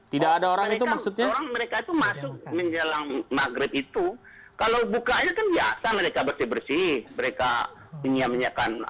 di saat orang sedang menahan